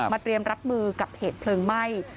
เตรียมรับมือกับเหตุเพลิงไหม้